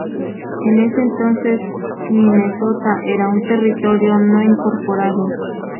En ese entonces Minnesota era un territorio no incorporado.